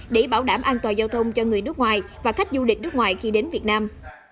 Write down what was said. để bảo đảm an toàn giao thông cho người nước ngoài và khách du lịch nước ngoài khi đến việt nam